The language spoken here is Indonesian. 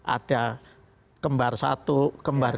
ada kembar satu kembar